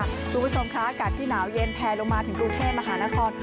คุณผู้ชมคะอากาศที่หนาวเย็นแพลลงมาถึงกรุงเทพมหานคร